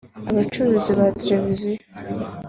abacuruzi ba televiziyo